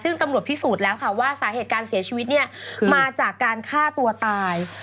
ซึ่งตำรวจพิสูจน์แล้วค่ะว่าสาเหตุการเสียชีวิตเนี่ยมาจากการฆ่าตัวตาย